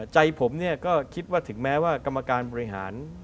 ใจผมก็คิดว่าถึงแม้ว่ากรรมการบริหาร